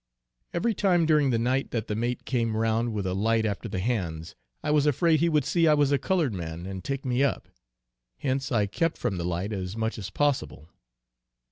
Every time during the night that the mate came round with a light after the hands, I was afraid he would see I was a colored man, and take me up; hence I kept from the light as much as possible.